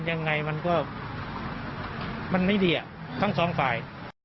ยังไงมันก็มันไม่ดีทั้งสองฝ่าย